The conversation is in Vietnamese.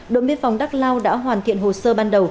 đội biên phòng đắc lao đã hoàn thiện hồ sơ ban đầu